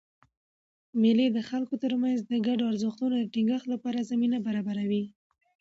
مېلې د خلکو ترمنځ د ګډو ارزښتونو د ټینګښت له پاره زمینه برابروي.